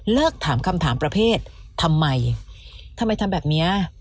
ถามคำถามประเภททำไมทำไมทำแบบเนี้ย